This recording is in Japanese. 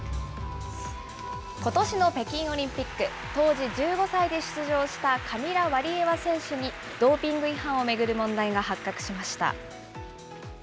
ことしの北京オリンピック、当時１５歳で出場したカミラ・ワリエワ選手にドーピング違反を巡る問題が発覚しました。